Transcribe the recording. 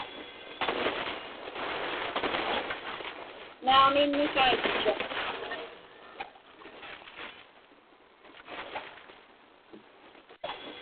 Naumi, nusaitchuq.